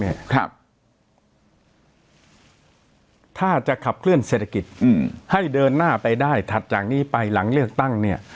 ถ้าจะขับเคลื่อนเศรษฐกิจให้เดินหน้าไปได้ถัดจากนี้ไปหลังเลือกตั้งเนี่ย